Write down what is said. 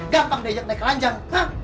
gampang diajak naik ke ranjang